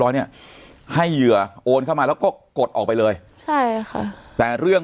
เนี่ยให้เหยื่อโอนเข้ามาแล้วก็กดออกไปเลยใช่ค่ะแต่เรื่อง